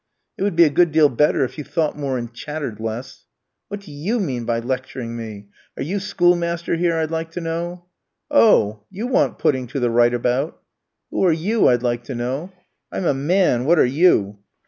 "It would be a good deal better if you thought more and chattered less." "What do you mean by lecturing me? Are you schoolmaster here, I'd like to know?" "Oh, you want putting to the right about." "Who are you, I'd like to know?" "I'm a man! What are you?"